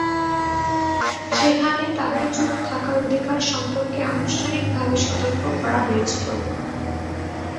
সেখানে তাকে চুপ থাকার অধিকার সম্পর্কে আনুষ্ঠানিকভাবে সতর্ক করা হয়েছিল।